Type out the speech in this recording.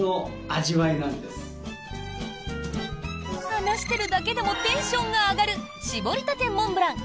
話してるだけでもテンションが上がる搾りたてモンブラン。